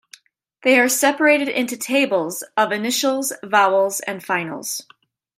They are separated into tables of initials, vowels and finals.